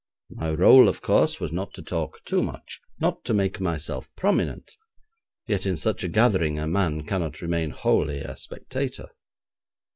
My rôle, of course, was not to talk too much; not to make myself prominent, yet in such a gathering a man cannot remain wholly a spectator.